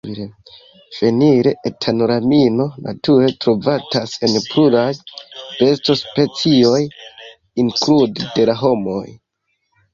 Fenil-etanolamino nature trovatas en pluraj besto-specioj, inklude de la homoj.